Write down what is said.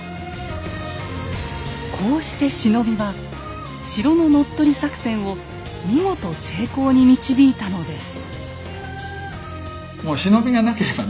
こうして忍びは城の乗っ取り作戦を見事成功に導いたのです。